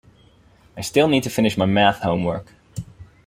I still need to finish my math homework